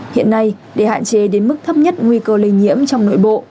hiện nay để hạn chế đến mức thấp nhất nguy cơ lây nhiễm trong nội bộ